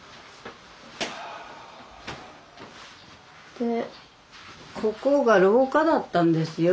でここが廊下だったんですよ。